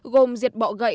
gồm diệt bọ gạch